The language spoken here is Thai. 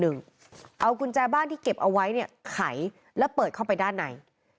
เอากุญแจบ้านที่เก็บเอาไว้เนี่ยไขและเปิดเข้าไปด้านใน